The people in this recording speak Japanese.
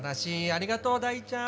ありがとう大ちゃん！